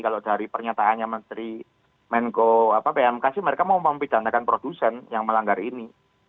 kalau dari pernyataannya menteri menko pmk sih mereka mau mempidanakan produsen yang melanggar ini